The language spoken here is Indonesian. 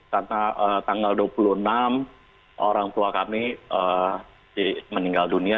karena tanggal dua puluh enam orang tua kami meninggal dunia